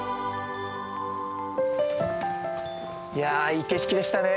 いやいい景色でしたね。